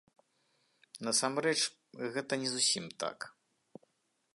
Насамрэч, гэта не зусім так.